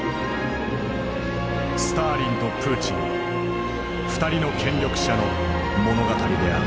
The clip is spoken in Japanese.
スターリンとプーチン２人の権力者の物語である。